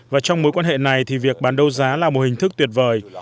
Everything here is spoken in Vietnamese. và trong mối quan hệ này thì việc bán đấu giá là một hình thức tuyệt vời